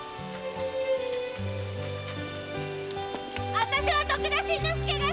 あたしは徳田新之助が好きだ‼